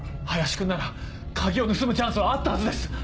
林君なら鍵を盗むチャンスはあったはずです。